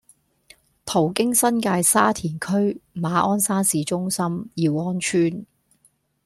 途經新界沙田區馬鞍山市中心、耀安邨、